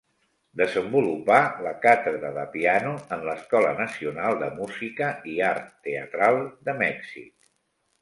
Desenvolupà la càtedra de piano en l'escola nacional de música i art teatral de Mèxic.